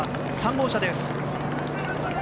３号車です。